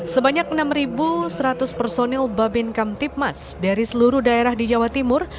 sebanyak enam seratus personil babin kamtipmas dari seluruh daerah di jawa timur